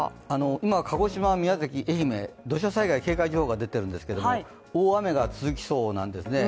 今、鹿児島、宮崎、愛媛、土砂災害警戒情報が出ているんですけども、大雨が続きそうなんですよね。